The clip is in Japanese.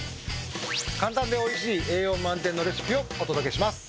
簡単で美味しい栄養満点のレシピをお届けします。